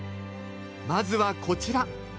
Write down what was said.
まずはこちら！